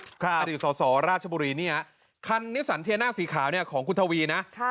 ทีนาไกรคุปอดีตส่อราชบุรีคันนิสันเทียนหน้าสีขาวของคุณทวีนะ